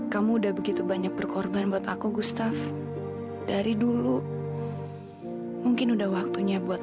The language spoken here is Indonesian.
kamu udah begitu banyak berkorban buat aku gustaf dari dulu mungkin udah waktunya buat